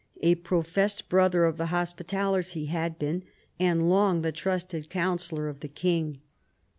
A professed brother of the Hospitallers he had been, and long the trusted councillor of the king.